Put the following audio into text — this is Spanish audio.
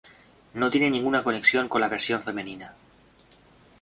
No tiene ninguna conexión con la versión femenina.